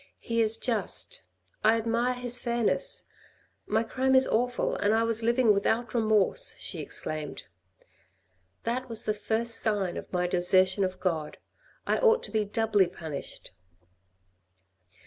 " He is just. I admire his fairness. My crime is awful, and I was living without remorse," she exclaimed. "That was the first sign of my desertion of God : I ought to be doubly punished."